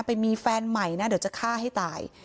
ไปมีแฟนใหม่นะเดี๋ยวจะฆ่าให้ตาย